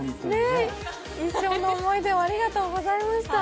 一生の思い出をありがとうございました。